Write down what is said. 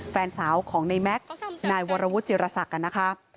แฟนสาวของในแม็กซ์นายวรวุฒิจิรษักนะคะ